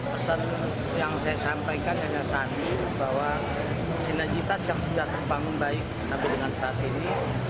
pesan yang saya sampaikan hanya satu bahwa sinergitas yang sudah terbangun baik sampai dengan saat ini